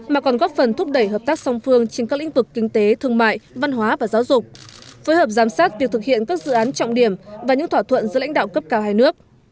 mà còn góp phần thúc đẩy hợp tác song phương trên các lĩnh vực kinh tế thương mại văn hóa và giáo dục phối hợp giám sát việc thực hiện các dự án trọng điểm và những thỏa thuận giữa lãnh đạo cấp cao hai nước